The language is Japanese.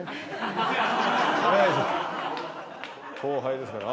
後輩ですから。